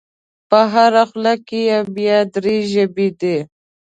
په هره خوله کې یې بیا درې ژبې دي.